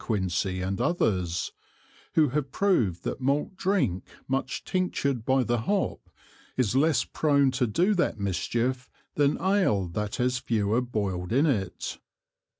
Quincy_ and others, who have proved that Malt Drink much tinctured by the Hop, is less prone to do that mischief, than Ale that has fewer boiled in it.